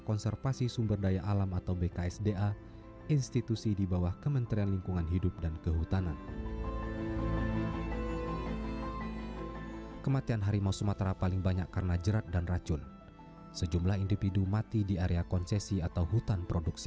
kesimpulannya bertolak dari pengamatan jarak pemukiman ke kawasan hutan